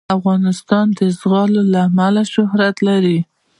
افغانستان د زغال له امله شهرت لري.